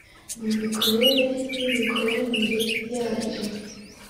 Mu mikorere n imikoranire yarwo